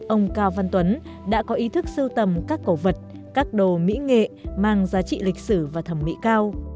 ông cao văn tuấn đã có ý thức sưu tầm các cổ vật các đồ mỹ nghệ mang giá trị lịch sử và thẩm mỹ cao